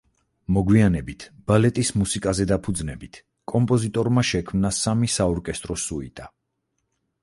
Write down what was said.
მოგვიანებით, ბალეტის მუსიკაზე დაფუძნებით, კომპოზიტორმა შექმნა სამი საორკესტრო სუიტა.